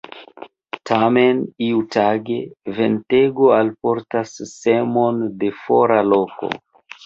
Tamen iutage, ventego alportas semon de fora loko.